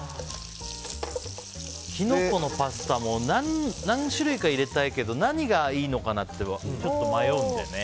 キノコのパスタも何種類か入れたいけど何がいいのかなってちょっと迷うんだよね。